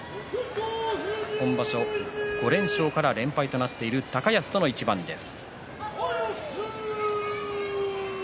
今場所５連勝から連敗となっている高安との一番です。